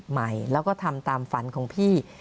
ใหม่แล้วก็ทำตามฝันของพี่